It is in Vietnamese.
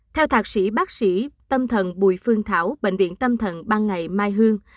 theo thạc sĩ bác sĩ tâm thần bùi phương thảo bệnh viện tâm thần ban ngày mai hương